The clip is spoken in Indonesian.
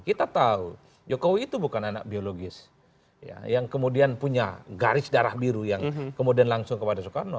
kita tahu jokowi itu bukan anak biologis yang kemudian punya garis darah biru yang kemudian langsung kepada soekarno